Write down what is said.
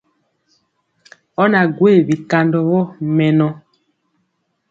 Ɔ na gwee bikandɔ vɔ mɛnɔ.